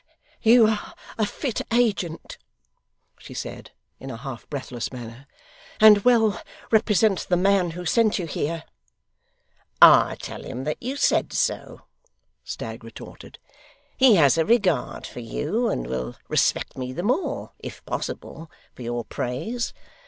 'You are a fit agent,' she said, in a half breathless manner, 'and well represent the man who sent you here.' 'I'll tell him that you said so,' Stagg retorted. 'He has a regard for you, and will respect me the more (if possible) for your praise.